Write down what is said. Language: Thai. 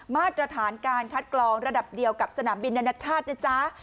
มาตรฐานการคัดกรองระดับเดียวกับสนามบินนานาชาตินะจ๊ะ